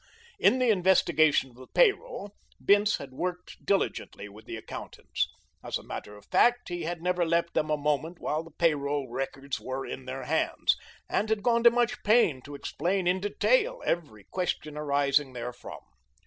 In the investigation of the pay roll Bince had worked diligently with the accountants. As a matter of fact, he had never left them a moment while the pay roll records were in their hands, and had gone to much pain to explain in detail every question arising therefrom.